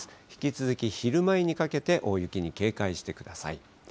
引き続き昼前にかけて、大雪に警戒してください。